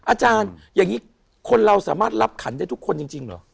อาจารย์อย่างนี้คนเราสามารถรับขันได้ทุกคนจริงเหรอ